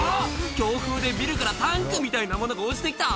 強風でビルからタンクみたいなものが落ちてきた！